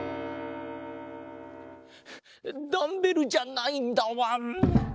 ダンベルじゃないんだわん。